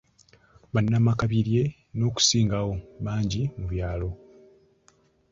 Bannamakaabirye n'okusingawo bangi mu byalo.